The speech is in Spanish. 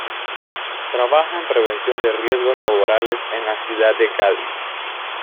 Trabaja en Prevención de Riesgos Laborales en la ciudad de Cádiz.